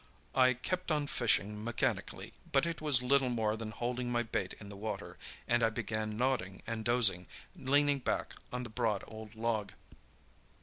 I kept on fishing mechanically, but it was little more than holding my bait in the water, and I began nodding and dozing, leaning back on the broad old log.